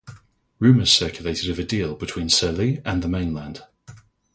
Rumours circulated of a deal between Sir Li and the Mainland.